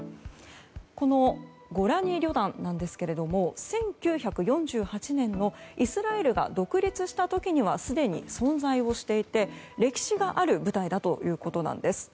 このゴラニ旅団なんですが１９４８年のイスラエルが独立した時にはすでに存在をしていて歴史がある部隊だということなんです。